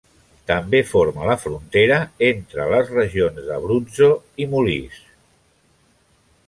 També forma la frontera entre les regions de Abruzzo i Molise.